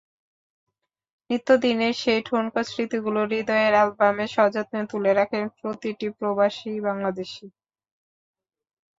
নিত্যদিনের সেই ঠুনকো স্মৃতিগুলো হৃদয়ের অ্যালবামে সযত্নে তুলে রাখেন প্রতিটি প্রবাসী বাংলাদেশি।